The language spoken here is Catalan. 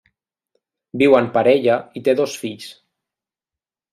Viu en parella i té dos fills.